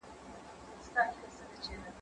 زه اجازه لرم چي مځکي ته وګورم،